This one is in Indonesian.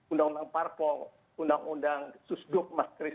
undang undang parpol undang undang susduk mas kris